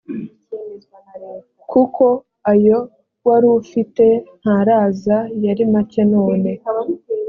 kuko ayo wari ufite ntaraza yari make none